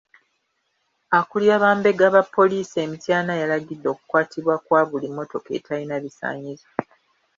Akulira bambega ba poliisi e Mityana yalagidde okukwatibwa kwa buli mmotoka etayina bisaanyizo.